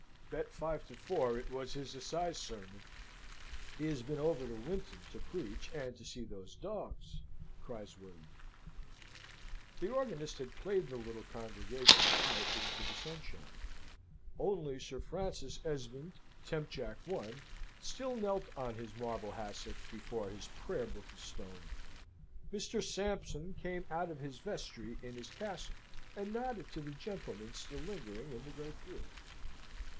"Bet five to four it was his Assize sermon. He has been over to Winton to preach, and to see those dogs," cries William. The organist had played the little congregation out into the sunshine. Only Sir Francis Esmond, temp. Jac. I., still knelt on his marble hassock, before his prayer book of stone. Mr. Sampson came out of his vestry in his cassock, and nodded to the gentlemen still lingering in the great pew.